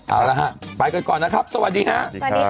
เอาล่ะค่ะไปก่อนนะครับสวัสดีค่ะ